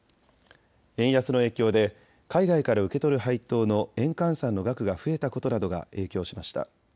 円安の影響で海外から受け取る配当の円換算の額が増えたことなどが影響しました。